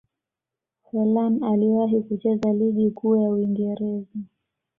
forlan aliwahi kucheza ligi kuu ya uingereza